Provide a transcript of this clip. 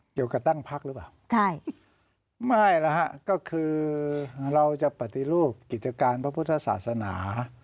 เกี่ยวกับตั้งพักหรือเปล่าใช่ไม่แล้วฮะก็คือเราจะปฏิรูปกิจการพระพุทธศาสนา